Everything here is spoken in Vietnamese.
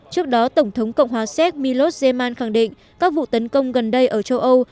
trước đó tổng thống cộng hòa séc milos jaman khẳng định các vụ tấn công gần đây ở châu âu